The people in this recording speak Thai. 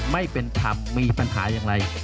ไม่เป็นธรรมมีปัญหาอย่างไร